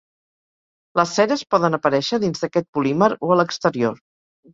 Les ceres poden aparèixer dins d'aquest polímer o a l'exterior.